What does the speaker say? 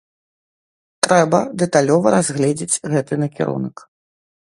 Трэба дэталёва разгледзіць гэты накірунак.